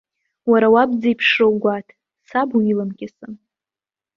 Уара уаб дзеиԥшроу гәаҭ, саб уиламкьысын!